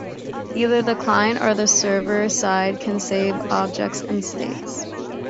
Either the client or the server side can save objects and states.